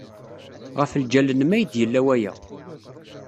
Ɣef ljal-nnem ay d-yella waya.